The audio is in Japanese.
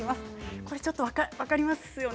これちょっと分かりますよね。